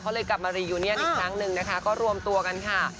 เขาเลยกลับมารียูเนียนอีกครั้งหนึ่งนะคะก็รวมตัวกันค่ะ